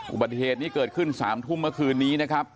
อุบัติเหตุนี้เกิดขึ้น๓ทุ่มเมื่อคืนนี้นะครับ